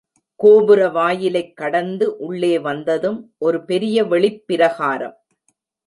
கோபுர வாயிலைக் கடந்து உள்ளே வந்ததும் ஒரு பெரிய வெளிப்பிரகாரம்.